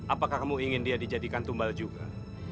apakah kamu ingin dia dijadikan tumbal juga